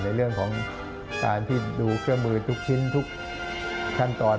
ในเรื่องของการที่ดูเครื่องมือทุกชิ้นทุกขั้นตอน